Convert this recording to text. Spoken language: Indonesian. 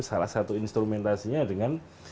salah satu instrumentasinya dengan